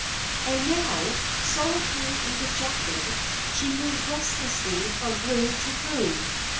And now, solitary and dejected, she moved restlessly from room to room.